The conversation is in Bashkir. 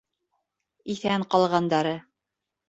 — Иҫән ҡалғандары...